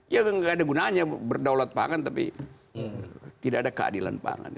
ya nggak ada gunanya berdaulat pangan tapi tidak ada keadilan pangan